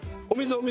お水。